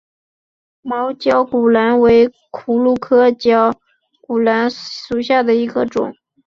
毛绞股蓝为葫芦科绞股蓝属下的一个种。